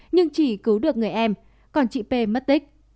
nhưng chỉ cứu được người em còn chị p mất tích